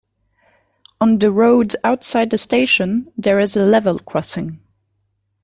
On the road outside the station, there is a level crossing.